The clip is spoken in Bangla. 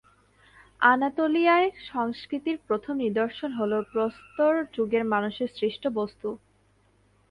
আনাতোলিয়ায় সংস্কৃতির প্রথম নিদর্শন হল প্রস্তর যুগের মানুষের সৃষ্ট বস্তু।